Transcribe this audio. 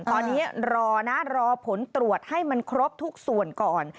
ตอนนี้รอนะรอผลตรวจให้มันครบทุกส่วนก่อน